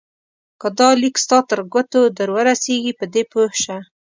که دا لیک ستا تر ګوتو درورسېږي په دې پوه شه.